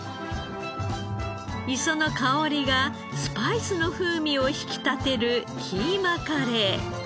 磯の香りがスパイスの風味を引き立てるキーマカレー。